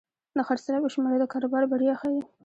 د خرڅلاو شمېره د کاروبار بریا ښيي.